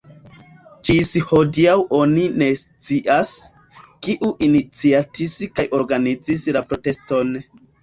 Ĝis hodiaŭ oni ne scias, kiu iniciatis kaj organizis la proteston.